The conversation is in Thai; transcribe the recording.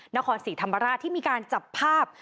นครศรีธรรมราชที่มีการจับภาพ